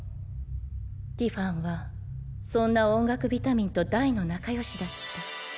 ティファンはそんな音楽ビタミンと大の仲良しだった。